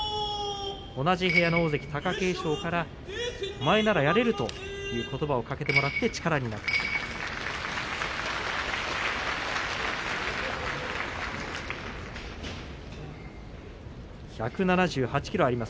同じ部屋の大関貴景勝からお前ならやれるということばをかけてもらって力になっているということです。